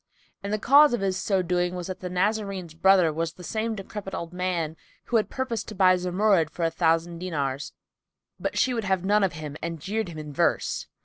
And the cause of his so doing was that the Nazarene's brother was the same decrepit old man who purposed to buy Zumurrud for a thousand dinars, but she would none of him and jeered him in verse.